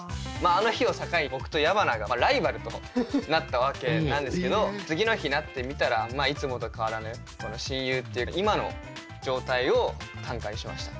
あの日を境に僕と矢花がライバルとなったわけなんですけど次の日になってみたらいつもと変わらぬこの親友っていう今の状態を短歌にしました。